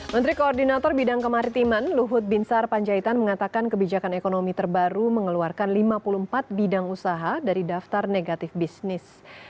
menteri koordinator bidang kemaritiman luhut binsar panjaitan mengatakan kebijakan ekonomi terbaru mengeluarkan lima puluh empat bidang usaha dari daftar negatif bisnis